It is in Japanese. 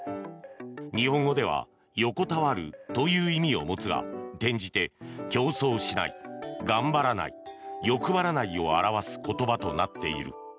日本語では横たわるという意味を持つが転じて競争しない頑張らない、欲張らないを表す言葉となっている。